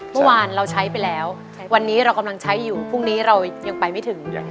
เมื่อวานเราใช้ไปแล้ววันนี้เรากำลังใช้อยู่พรุ่งนี้เรายังไปไม่ถึง